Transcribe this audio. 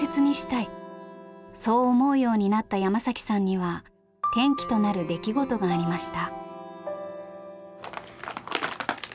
そう思うようになった山さんには転機となる出来事がありました。